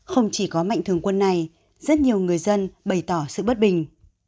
không chỉ có mạnh thường quân này rất nhiều người dân bày tỏ sự bất bình